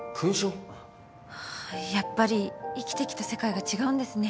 やっぱり生きてきた世界が違うんですね。